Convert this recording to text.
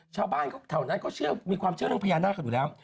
ชาวบ้านแถวนั้นเขาเชื่อมีความเชื่อเรื่องพญานาคกันอยู่แล้ว